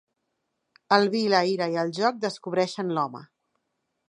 El vi, la ira i el joc descobreixen l'home.